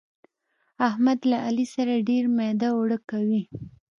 احمد له علي سره ډېر ميده اوړه کوي.